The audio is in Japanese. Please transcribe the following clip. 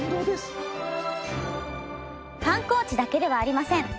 観光地だけではありません。